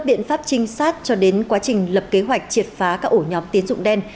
biện pháp trinh sát cho đến quá trình lập kế hoạch triệt phá các ổ nhóm tiến dụng đen